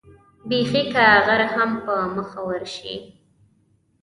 بېخي که غر هم په مخه ورشي.